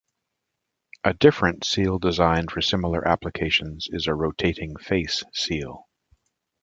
A different seal design for similar applications is a rotating face seal.